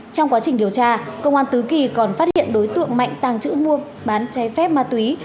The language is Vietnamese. trong quá trình điều tra công an tứ kỳ còn phát hiện đối tượng mạnh tàng trữ mua bán trái phép ma túy